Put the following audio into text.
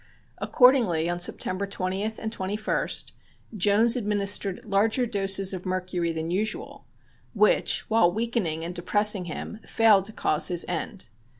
Accordingly, on September 20th and 21st, Jones administered larger doses of mercury than usual, which, while weakening and depressing him, failed to cause his end.